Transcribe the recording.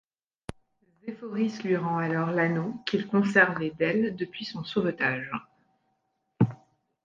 Zéphoris lui rend alors l’anneau qu’il conservait d’elle depuis son sauvetage.